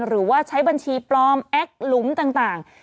หรือว่าใช้บัญชีปลอมแอคหลุมต่าง